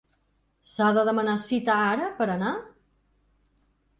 S'ha de demanar cita ara per anar?